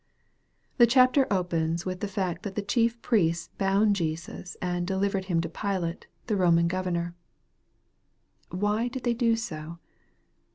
The chapter opens with the fact, that the chief priests bound Jesus and " delivered Him to Pilate," the Roman Governor. Why did they do so